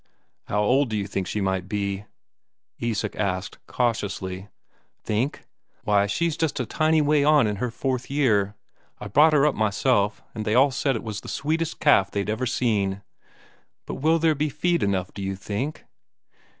"How old d'you think she might be?" asked Isak cautiously. "Think? Why, she's just exactly a tiny way on in her fourth year. I brought her up myself, and they all said it was the sweetest calf they'd ever seen. But will there be feed enough here d'you think?"